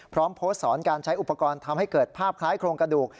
พร้อมโพสต์สอนการใช้อุปกรณ์ทำให้เกิดภาพคล้ายโครงกระดูก